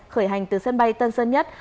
khởi hành từ sân bay tân sơn nhất